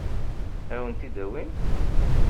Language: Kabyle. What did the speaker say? Ad wen-ten-id-awin?